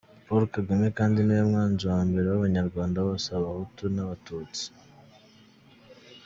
Paul Kagame kandi niwe mwanzi wa mbere w’abanyarwanda bose abahutu n’abatutsi.